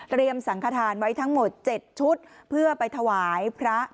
สังขทานไว้ทั้งหมด๗ชุดเพื่อไปถวายพระ